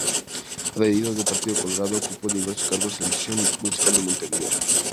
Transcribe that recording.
Adherido al Partido Colorado, ocupó diversos cargos en la administración municipal de Montevideo.